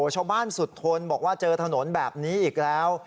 ชาวบ้านสุดทนบอกว่าเจอถนนแบบนี้อีกแล้ว